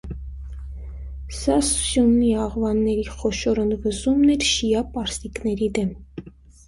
Սա սուննի աֆղանների խոշոր ընդվզումն էր շիա պարսիկների դեմ։